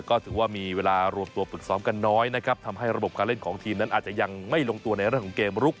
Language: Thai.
ก็ถือว่ามีเวลารวมตัวฝึกซ้อมกันน้อยนะครับทำให้ระบบการเล่นของทีมนั้นอาจจะยังไม่ลงตัวในเรื่องของเกมลุก